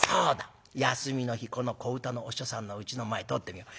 休みの日この小唄のお師匠さんのうちの前通ってみよう。